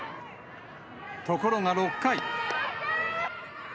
ところが６回。